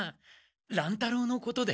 乱太郎のことで。